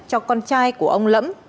cho con trai của ông lẫm